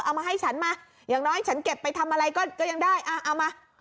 เอามาให้ฉันมาอย่างน้อยฉันเก็บไปทำอะไรก็ยังได้อ่ะเอามา